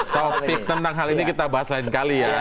topik tentang hal ini kita bahas lain kali ya